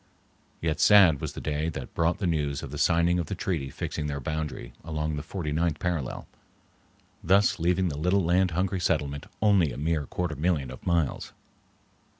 Yet sad was the day that brought the news of the signing of the treaty fixing their boundary along the forty ninth parallel, thus leaving the little land hungry settlement only a mere quarter million of miles!